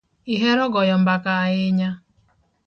Ihero goyo mbaka ahinya